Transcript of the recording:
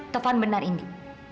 tauan benar indi